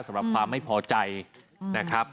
สำหรับความไม่พอใจนะครับ